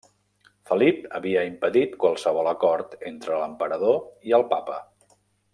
Felip havia impedit qualsevol acord entre l'emperador i el papa.